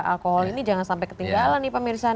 alkohol ini jangan sampai ketinggalan nih pak mirsa